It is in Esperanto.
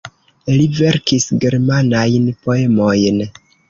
Li verkis germanajn poemojn.